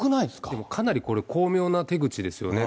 でもかなりこれ、巧妙な手口ですよね。